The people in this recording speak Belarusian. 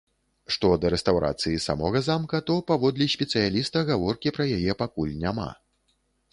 Што да рэстаўрацыі самога замка, то, паводле спецыяліста, гаворкі пра яе пакуль няма.